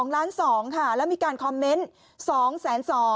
๒ล้าน๒ค่ะแล้วมีการคอมเมนต์๒๒๐๐